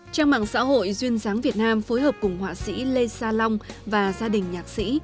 trang mạng xã hội duyên giáng việt nam phối hợp cùng họa sĩ lê sa long và gia đình nhạc sĩ